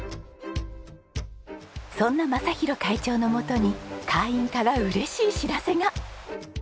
そんな正博会長のもとに会員から嬉しい知らせが。